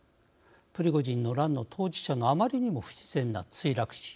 プリゴジンの乱の当事者のあまりにも不自然な墜落死。